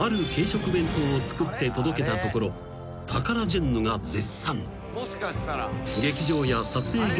弁当を作って届けたところタカラジェンヌが絶賛］